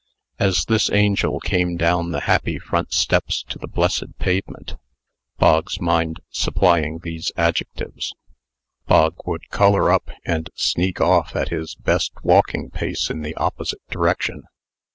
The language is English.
As this angel came down the happy front steps to the blessed pavement (Bog's mind supplying these adjectives), Bog would color up, and sneak off at his best walking pace in the opposite direction.